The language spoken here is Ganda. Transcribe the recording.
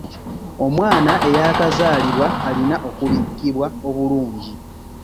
Omwana eyakazaalibwa alina okubikkibwa obulungi.